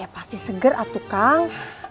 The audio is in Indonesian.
pasti seger atuh kang